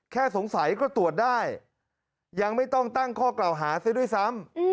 แค่สงสัยก็ตรวจได้ยังไม่ต้องตั้งข้อกล่าวหาซะด้วยซ้ำ